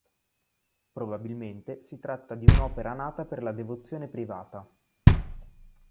Probabilmente si tratta di un'opera nata per la devozione privata.